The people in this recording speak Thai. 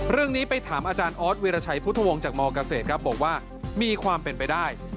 เรื่องนี้ไปถามอาจารย์ออสวิรชัยพุทธวงศ์จากมเกษตรครับบอกว่ามีความเป็นไปได้